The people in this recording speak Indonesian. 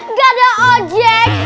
nggak ada ojek